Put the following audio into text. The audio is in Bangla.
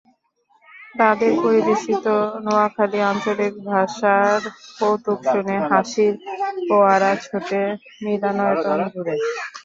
তাঁদের পরিবেশিত নোয়াখালীর আঞ্চলিক ভাষার কৌতুক শুনে হাসির ফোয়ারা ছোটে মিলনায়তনজুড়ে।